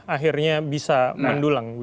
akhirnya bisa mendulang